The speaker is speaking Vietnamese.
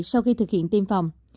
sau khi thực hiện tiêm phòng